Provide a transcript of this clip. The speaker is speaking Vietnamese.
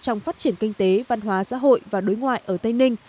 trong phát triển kinh tế văn hóa xã hội và đối ngoại ở tây ninh